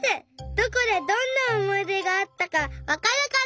どこでどんなおもいでがあったかわかるから！